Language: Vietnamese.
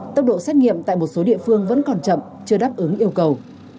tốc độ xét nghiệm tại một số địa phương vẫn còn chậm chưa đáp ứng yêu cầu